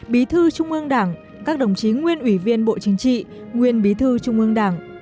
bí thư trung ương đảng các đồng chí nguyên ủy viên bộ chính trị nguyên bí thư trung ương đảng